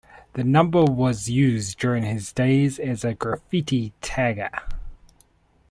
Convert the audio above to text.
The number was used during his days as a graffiti tagger.